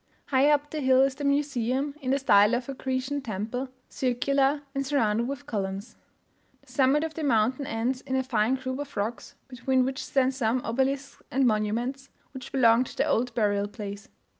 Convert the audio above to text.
Higher up the hill is the museum, in the style of a Grecian temple circular, and surrounded with columns. The summit of the mountain ends in a fine group of rocks, between which stand some obelisks and monuments, which belong to the old burial place.